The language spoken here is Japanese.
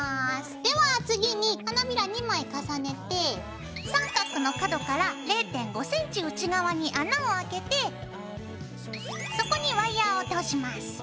では次に花びら２枚重ねて三角の角から０．５ｃｍ内側に穴をあけてそこにワイヤーを通します。